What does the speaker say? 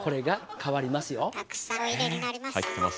たくさんお入れになります。